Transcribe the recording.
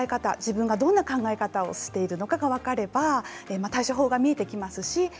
自分がどんな考え方をしているのかが分かれば対処法が見えてきます。